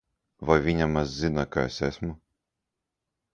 Vai viņa maz zina, ka es esmu?